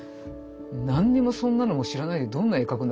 「何にもそんなのも知らないでどんな絵描くんだ」